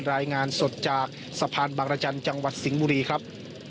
รายงานสดจากสะพานบางรจันทร์จังหวัดสิงห์บุรีครับ